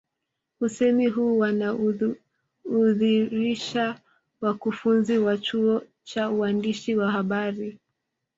Usemi huu wanaudhirisha wakufunzi wa chuo cha uandishi wa habari